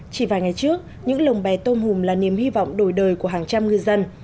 chỉ vài ngày trước những lồng bè tôm hùm là niềm hy vọng đổi đời của hàng trăm ngư dân